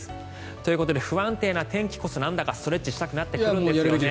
ということで不安定な天気こそなんだかストレッチをやりたくなりますよね。